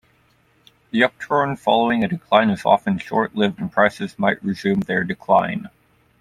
The upturn following a decline is often short-lived and prices might resume their decline.